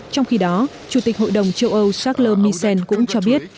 trong khi đó chủ tịch hội đồng châu âu charles misen cũng cho biết